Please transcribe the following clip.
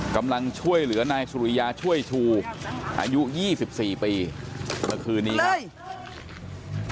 กำลังช่วยเหลือนายสุริยาช่วยอายุยี่สิบสี่ปีเมือคืนนี้ครับ